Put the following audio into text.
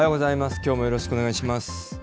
きょうもよろしくお願いします。